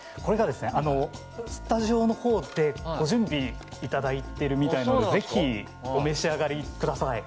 スタジオのほうでご準備いただいているみたいなのでぜひお召し上がりください。